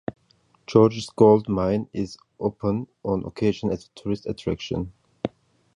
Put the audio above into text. Georges Gold Mine is open on occasion as a tourist attraction.